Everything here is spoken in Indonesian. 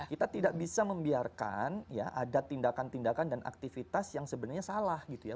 kita tidak bisa membiarkan ya ada tindakan tindakan dan aktivitas yang sebenarnya salah gitu ya